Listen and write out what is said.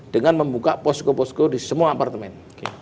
dengan membuka posko posko di semua apartemen